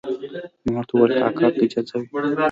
ما ورته وویل کاکا که اجازه وي.